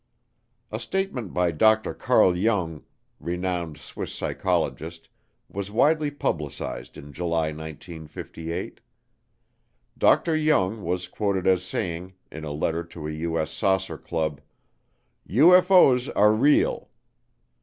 A statement by Dr. Carl Jung, renowned Swiss psychologist, was widely publicized in July 1958. Dr. Jung was quoted as saying, in a letter to a U.S. saucer club, "UFO's are real."